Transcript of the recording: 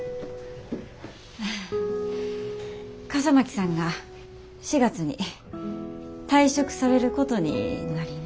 笠巻さんが４月に退職されることになりました。